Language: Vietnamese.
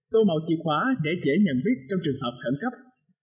tô màu chìa khóa để dễ nhận biết trong trường hợp khẩn cấp